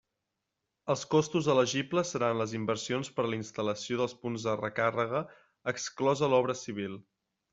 Els costos elegibles seran les inversions per a la instal·lació dels punts de recàrrega exclosa l'obra civil.